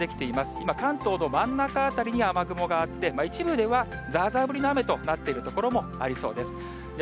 今関東の真ん中辺りに雨雲があって、一部ではざーざー降りの雨となっている所もありそうです。